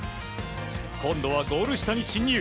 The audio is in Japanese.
今度はゴール下に進入。